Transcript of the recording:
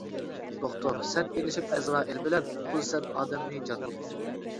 دوختۇر سەن ئېلىشىپ ئەزرائىل بىلەن، قۇتقۇزىسەن ئادەمنى، جاننى.